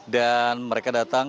dan mereka datang